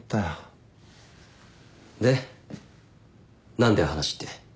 何だよ話って。